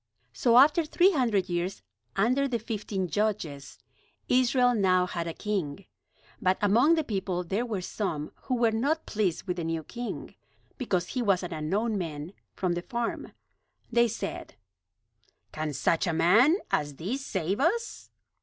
So after three hundred years under the fifteen Judges, Israel now had a king. But among the people there were some who were not pleased with the new king, because he was an unknown man from the farm. They said: "Can such a man as this save us?"